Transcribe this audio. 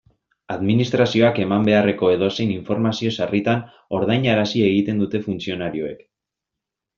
Administrazioak eman beharreko edozein informazio sarritan ordainarazi egiten dute funtzionarioek.